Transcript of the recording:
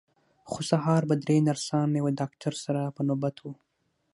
خو سهار به درې نرسان له یوه ډاکټر سره په نوبت وو.